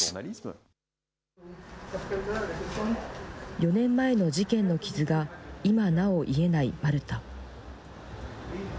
４年前の事件の傷が今なお癒えないマルタ。